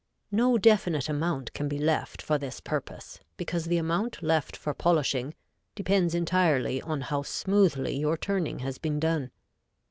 No definite amount can be left for this purpose, because the amount left for polishing depends entirely on how smoothly your turning has been done.